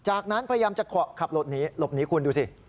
จากนั้นพยายามจะขับรถหนีหลบหนีคุณดูสิ